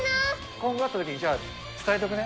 今後会ったときに、じゃあ伝えとくね。